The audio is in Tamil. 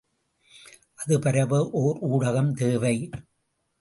அது பரவ ஒர் ஊடகம் தேவை.